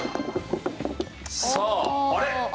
さああれ？